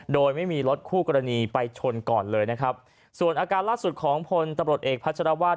โดยไม่มีรถคู่กรณีไปชนก่อนเลยนะครับส่วนอาการล่าสุดของพลตำรวจเอกพัชรวาส